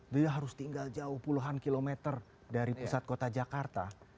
beliau harus tinggal jauh puluhan kilometer dari pusat kota jakarta